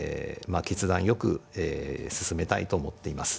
あ決断よく進めたいと思っています。